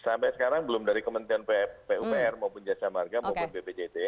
sampai sekarang belum dari kementerian pupr maupun jasa marga maupun bpjt